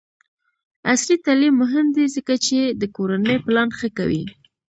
عصري تعلیم مهم دی ځکه چې د کورنۍ پلان ښه کوي.